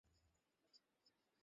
বলো না পূজা।